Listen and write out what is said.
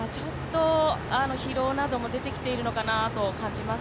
疲労なども出てきているのかなと感じます。